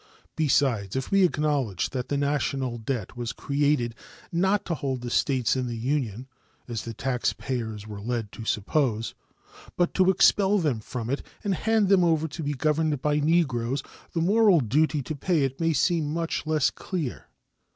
Besides, if we acknowledge that the national debt was created, not to hold the States in the Union, as the taxpayers were led to suppose, but to expel them from it and hand them over to be governed by Negroes, the moral duty to pay it may seem much less clear.